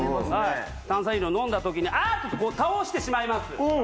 炭酸飲料飲んだ時に「あっ！」とこう倒してしまいます。